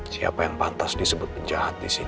siapa yang pantas disebut penjahat di sini